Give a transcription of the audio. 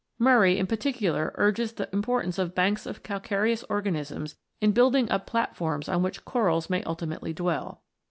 Murray in particular urges the importance of banks of calcareous organisms in building up platforms on which corals may ultimately dwell.